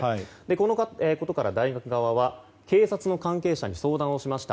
このことから大学側は警察の関係者に相談をしました。